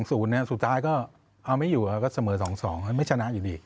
สุดท้ายก็เอาไม่อยู่ครับก็เสมอ๒๒ไม่ชนะอยู่ดี